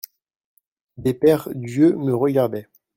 Des paires d’yeux me regardaient.